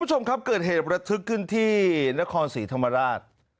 คุณผู้ชมครับเกิดเหตุระทึกขึ้นที่นครศรีธรรมราช